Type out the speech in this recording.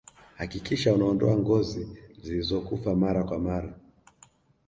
hakikisha unaondoa ngozi zilizokufa mara kwa mara